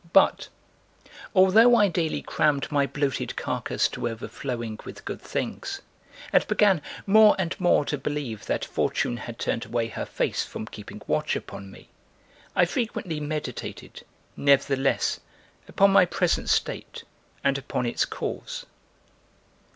But, although I daily crammed my bloated carcass to overflowing with good things, and began more and more to believe that Fortune had turned away her face from keeping watch upon me, I frequently meditated, nevertheless, upon my present state and upon its cause.